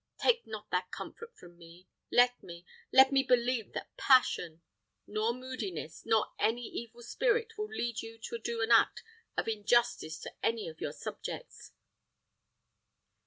Take not that comfort from me. Let me, let me believe that passion, nor moodiness, nor any evil spirit will lead you to do an act of injustice to any of your subjects."